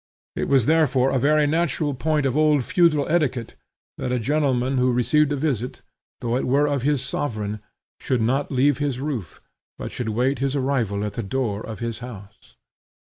It was therefore a very natural point of old feudal etiquette that a gentleman who received a visit, though it were of his sovereign, should not leave his roof, but should wait his arrival at the door of his house.